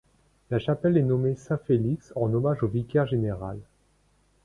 La chapelle est nommée Saint-Félix en hommage au vicaire général.